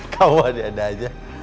kau ada ada aja